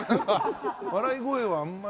笑い声はあんまり。